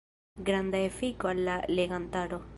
Granda efiko al la legantaro.